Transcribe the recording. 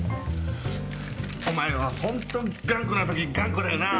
お前はホント頑固な時頑固だよな。